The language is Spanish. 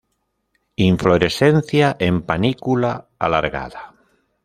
Inflorescencia en panícula alargada.